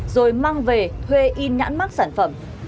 rồi mang về thuê in nhãn mắc sản phẩm